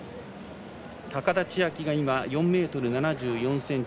高田千明が今４ｍ７４ｃｍ。